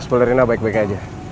sebelah rena baik baik aja